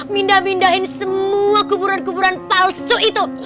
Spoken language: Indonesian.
mindah pindahin semua kuburan kuburan palsu itu